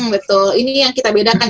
betul ini yang kita bedakan